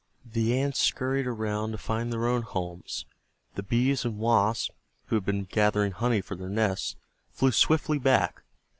The Ants scurried around to find their own homes. The Bees and Wasps, who had been gathering honey for their nests, flew swiftly back.